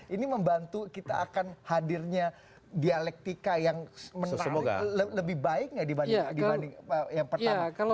ini membantu kita akan hadirnya dialektika yang lebih baik nggak dibanding yang pertama